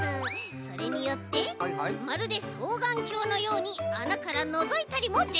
それによってまるでそうがんきょうのようにあなからのぞいたりもできる！